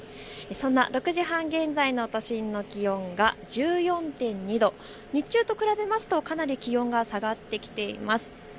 そんな６時半現在の都心の気温が１４．２度、日中と比べますとかなり気温が下がってきています。